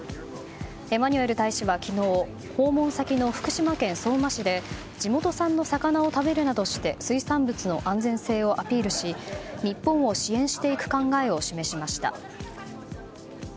エマニュエル大使は昨日訪問先の福島県相馬市で地元産の魚を食べるなどして水産物の安全性をアピールし日本を支援していく考えを示しました。